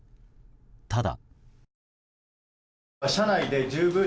ただ。